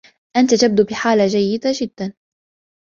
أنتَ تبدو بحالة جيداً جداً.